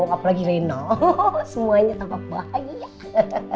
apalagi rena semuanya tampak bahagia